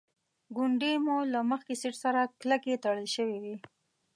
ګونډې مو له مخکې سیټ سره کلکې تړل شوې وې.